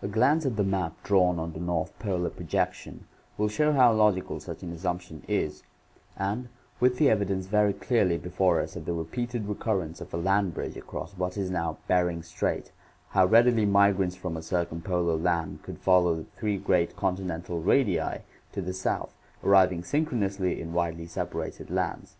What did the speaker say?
A glance at the map, Fig. 9, drawn on the north polar projection, will show how logical such an assumption is, and, with tie evidence very clearly before us of the repeated recurrence of a land bridge across what is now Bering Strait, how readily migrants from a circumpolar land could follow the three great continental radii to the south, arriving synchronously in widely separated lands.